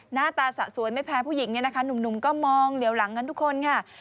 หน้าตาสะสวยไม่แพ้ผู้หญิงเนี่ยนะคะหนุ่มก็มองเหลียวหลังกันทุกคนค่ะ